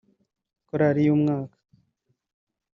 Korali y’Umwaka